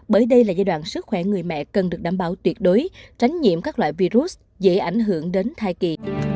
bởi đây là giai đoạn sức khỏe người mẹ cần được đảm bảo tuyệt đối tránh nhiễm các loại virus dễ ảnh hưởng đến thai kỳ